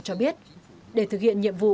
cho biết để thực hiện nhiệm vụ